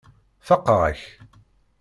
Faqeɣ-ak.